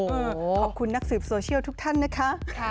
ขอบคุณนักสืบโซเชียลทุกท่านนะคะ